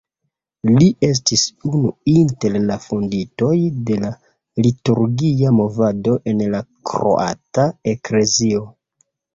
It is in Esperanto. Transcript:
Li estis unu inter la fondintoj de la liturgia movado en la kroata Eklezio.